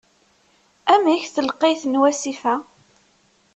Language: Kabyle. Amek telqayt n wasif-a?